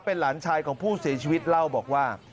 เป็นหลานชายของผู้เสียชีวิตเล่าบอกว่า